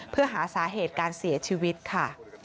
เพื่อหาสาเหตุการเสียชีวิตค่ะ